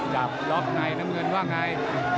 กับล็อคไนท์น้ำเงินว่าไง